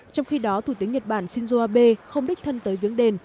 trong khi đó thủ tướng nhật bản shinzo abe không đích thân tới viếng đền